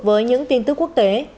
với những tin tức quốc tế